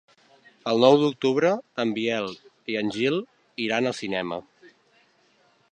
El nou d'octubre en Biel i en Gil iran al cinema.